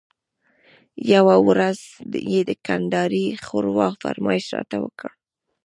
یوه ورځ یې د کندارۍ ښوروا فرمایش راته وکړ.